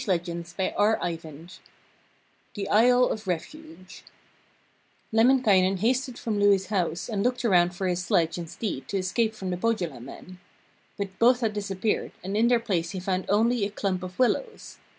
THE ISLE OF REFUGE Lemminkainen hastened from Louhi's house and looked around for his sledge and steed to escape from the Pohjola men. But both had disappeared, and in their place he found only a clump of willows.